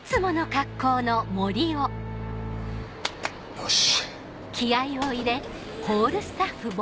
よし。